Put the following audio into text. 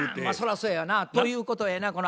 まあそらそうやわな。ということはやな